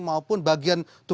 maupun bagian tubuh